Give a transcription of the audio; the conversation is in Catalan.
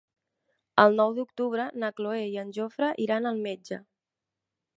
El nou d'octubre na Cloè i en Jofre iran al metge.